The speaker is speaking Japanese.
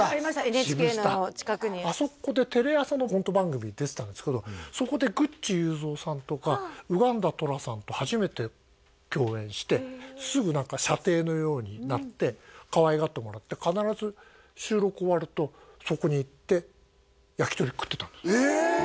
ＮＨＫの近くにあそこでテレ朝のコント番組に出てたんですけどそこでと初めて共演してすぐ何か舎弟のようになってかわいがってもらって必ず収録終わるとそこに行って焼き鳥食ってたのへえ！